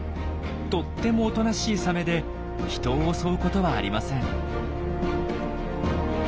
とってもおとなしいサメで人を襲うことはありません。